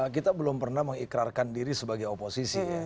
kita belum pernah mengikrarkan diri sebagai oposisi